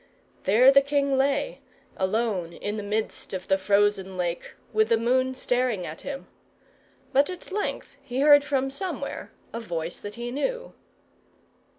There the king lay, alone in the midst of the frozen lake, with the moon staring at him. But at length he heard from somewhere a voice that he knew.